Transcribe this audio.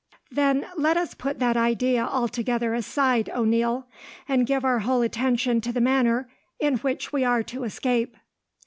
"Then let us put that idea altogether aside, O'Neil, and give our whole attention to the manner in which we are to escape."